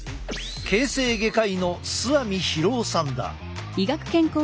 形成外科医の須網博夫さんだ。